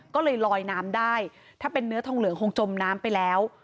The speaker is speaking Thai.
ก็เลยลอยน้ำได้ถ้าเป็นเนื้อทองเหลืองคงจมน้ำไปแล้ว